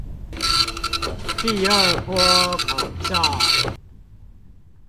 第二波口罩